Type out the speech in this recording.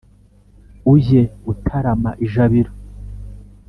ujye utarama ijabiro.